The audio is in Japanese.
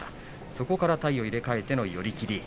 そこから体を入れ替えての寄り切り。